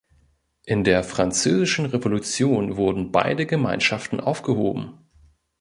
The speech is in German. In der Französischen Revolution wurden beide Gemeinschaften aufgehoben.